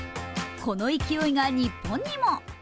この勢いが日本にも。